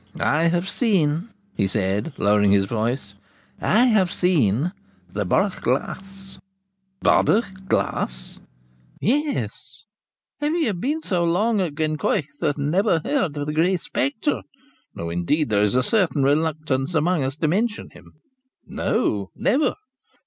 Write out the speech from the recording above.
I have seen,' he said, lowering his voice, 'I have seen the Bodach Glas.' 'Bodach Glas?' 'Yes; have you been so long at Glennaquoich, and never heard of the Grey Spectre? though indeed there is a certain reluctance among us to mention him.' 'No, never.'